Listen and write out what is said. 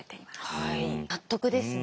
はい納得ですね。